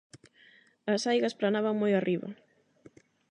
As aigas planaban moi arriba.